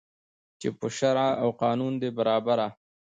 چي پر شرع او قانون ده برابره